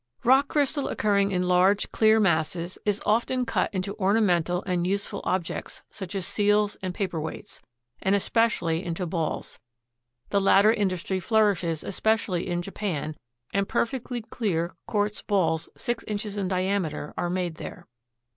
Rock crystal occurring in large, clear masses is often cut into ornamental and useful objects such as seals and paperweights, and especially into balls. The latter industry flourishes especially in Japan, and perfectly clear quartz balls six inches in diameter are made there.